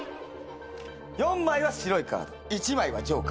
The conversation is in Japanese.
４枚は白いカード１枚はジョーカー。